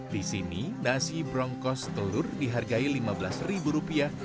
di sini nasi bronkos telur dihargai lima belas ribu rupiah